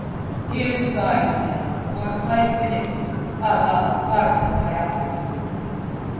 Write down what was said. "He is thine, then, for five philips—Allah pardon thy avarice."